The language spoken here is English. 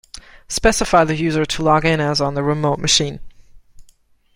Specify the user to log in as on the remote machine.